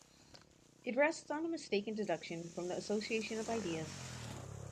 It rests on a mistaken deduction from the association of ideas.